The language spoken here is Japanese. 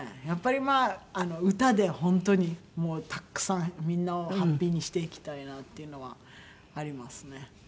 やっぱりまあ歌で本当にもうたくさんみんなをハッピーにしていきたいなっていうのはありますね。